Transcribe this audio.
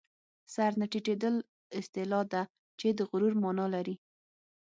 سر نه ټیټېدل اصطلاح ده چې د غرور مانا لري